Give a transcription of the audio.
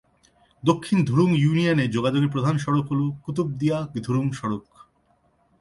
দক্ষিণ ধুরুং ইউনিয়নে যোগাযোগের প্রধান সড়ক হল কুতুবদিয়া-ধুরুং সড়ক।